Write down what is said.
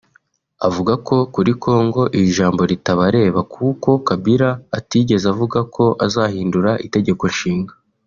Avuga ko kuri Congo iri jambo ritabareba kuko Kabila atigeze avuga ko azahindura Itegeko Nshinga